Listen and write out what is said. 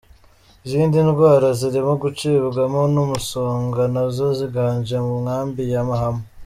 Izindi ndwara zirimo gucibwamo n’umusonga nazo ziganje mu nkambi ya Mahama.